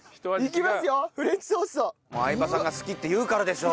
相葉さんが好きって言うからでしょ！